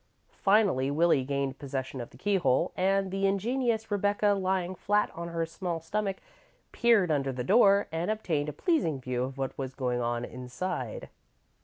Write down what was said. Finally, Willie gained possession of the keyhole, and the ingenious Rebecca, lying flat on her small stomach, peered under the door, and obtained a pleasing view of what was going on inside.